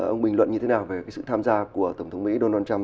ông bình luận như thế nào về sự tham gia của tổng thống mỹ donald trump